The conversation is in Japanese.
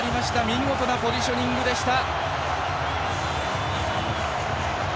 見事なポジショニングでした！